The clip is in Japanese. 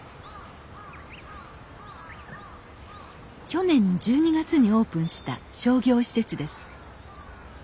去年１２月にオープンした商業施設です。